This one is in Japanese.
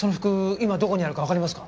今どこにあるかわかりますか？